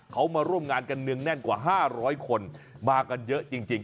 เขามาร่วมงานกันเนืองแน่นกว่า๕๐๐คนมากันเยอะจริง